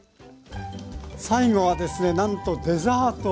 最後はですねなんとデザート！